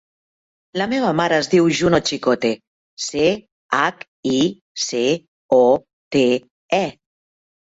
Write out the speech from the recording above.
La meva mare es diu Juno Chicote: ce, hac, i, ce, o, te, e.